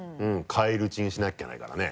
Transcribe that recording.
返り討ちにしなけりゃいけないからね。